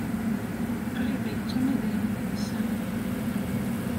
Qrib ay ttun idrimen-nsen.